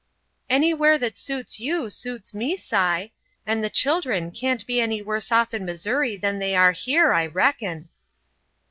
"Anywhere that suits you, suits me, Si. And the children can't be any worse off in Missouri than, they are here, I reckon."